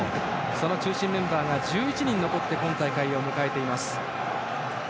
その中心メンバーが１１人残って今大会を迎えています。